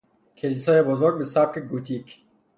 کلیسای بزرگ به سبک گوتیک